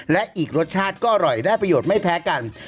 และอีกรสชาติก็อร่อยได้ประโยชน์ไม่แพ้กัน